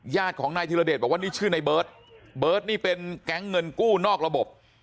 ญาติของนายธิรเดชบอกว่านี่ชื่อในเบิร์ตเบิร์ตนี่เป็นแก๊งเงินกู้นอกระบบ